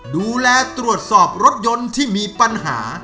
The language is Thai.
ดูแลตรวจสอบรถยนต์ที่มีปัญหา